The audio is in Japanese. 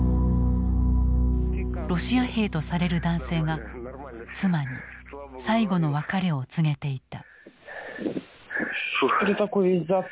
ロシア兵とされる男性が妻に最期の別れを告げていた。